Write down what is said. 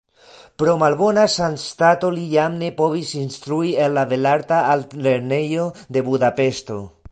Pro malbona sanstato li jam ne povis instrui en la Belarta Altlernejo de Budapeŝto.